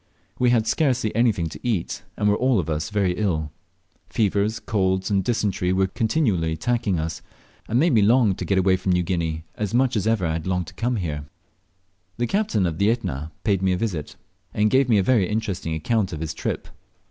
We had scarcely anything to eat, and were all of us ill. Fevers, colds, and dysentery were continually attacking us, and made me long I o get away from New Guinea, as much as ever I had longed to come there. The captain of the Etna paid me a visit, and gave me a very interesting account of his trip.